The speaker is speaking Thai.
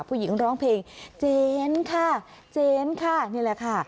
ผู้หญิงร้องเพลงเจนค่ะเจนค่ะนี่แหละค่ะ